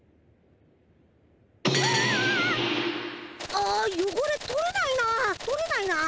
あよごれとれないなぁとれないなぁ。